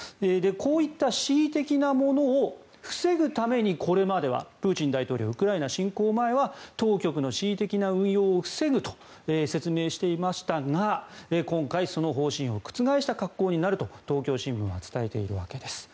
こういった恣意的なものを防ぐために、これまではプーチン大統領ウクライナ侵攻前は当局の恣意的な運用を防ぐと説明していましたが今回、その方針を覆した格好になると東京新聞は伝えているわけです。